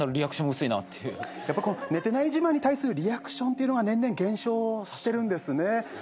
寝てない自慢に対するリアクションっていうのが年々減少してるんですね。